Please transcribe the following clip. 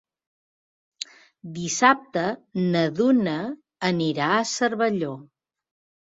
Dissabte na Duna anirà a Cervelló.